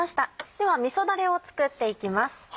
ではみそだれを作っていきます。